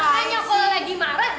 tuh makan nyokol lagi marah